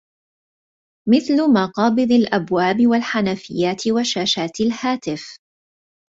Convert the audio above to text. مثل مقابض الأبواب والحنفيات وشاشات الهاتف